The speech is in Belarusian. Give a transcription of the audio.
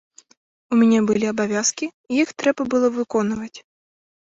У мяне былі абавязкі, і іх трэба было выконваць.